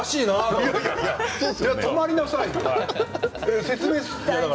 じゃあ止まりなさいよ。